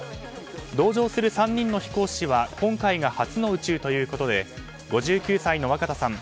同乗する３人の飛行士は今回が初の宇宙ということで５９歳の若田さん